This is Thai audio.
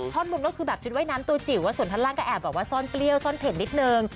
ทอนบุญก็คือชุดไว้น้ำส่วนท้านล่างก็แอบว่าซ่อนเปรี้ยวซ่อนเห็นนิดนึง